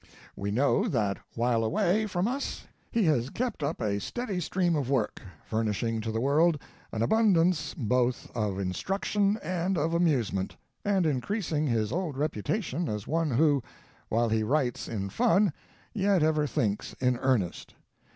We know that while away fro us he has kept up a steady stream of work, furnishing to the world an abundance both of instruction and of amusement, and increasing his old reputation as one who, while he writes in fun, yet ever things in earnest.